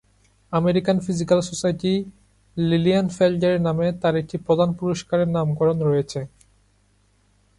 American Physical Society লিলিয়েনফেল্ডের নামে তার একটি প্রধান পুরস্কারের নামকরণ করেছে।